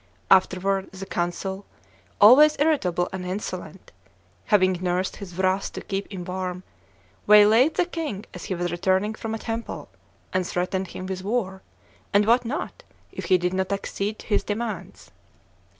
Afterward, the consul, always irritable and insolent, having nursed his wrath to keep it warm, waylaid the king as he was returning from a temple, and threatened him with war, and what not, if he did not accede to his demands.